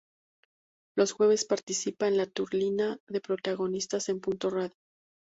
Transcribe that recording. Los jueves participa en la tertulia de Protagonistas, en Punto Radio.